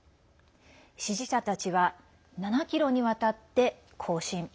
支持者たちは７ｋｍにわたって行進。